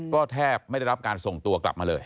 ก็แทบไม่ได้รับการส่งตัวกลับมาเลย